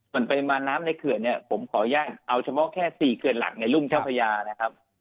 ส่วนปริมาณน้ำในเขื่อนเนี่ยผมขออนุญาตเอาเฉพาะแค่๔เขื่อนหลักในรุ่มเจ้าพญานะครับ